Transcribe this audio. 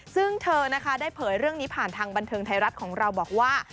ซึ่งเธอนะคะได้เผยเรื่องนี้ผ่านทางบันเทิงไทยรัฐของเราบอกว่า